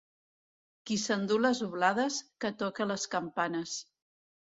Qui s'endú les oblades, que toque les campanes.